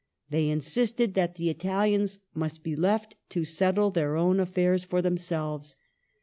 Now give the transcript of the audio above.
.^pThey insisted that the Italians must be left to ^ settle their own affairs for themselves.